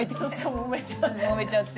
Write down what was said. もめちゃって。